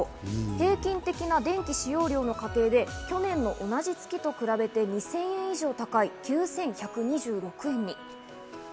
平均的な電気使用量の家庭で去年の同じ月と比べて２０００円以上高い９１２６円に。